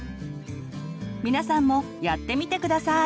皆さんもやってみて下さい！